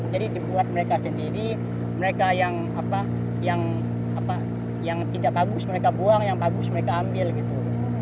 jadi dibuat mereka sendiri mereka yang apa yang apa yang tidak bagus mereka buang yang bagus mereka ambil gitu